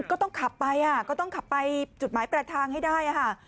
ก็ต้องขับไปก็ต้องขับไปจุดหมายปลายทางให้ได้ค่ะ